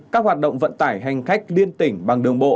các hoạt động vận tải hành khách liên tỉnh bằng đường bộ